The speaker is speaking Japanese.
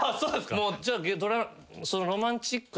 もうじゃあ。